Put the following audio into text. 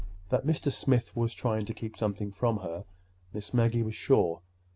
That Mr. Smith was trying to keep something from her, Miss Maggie was sure.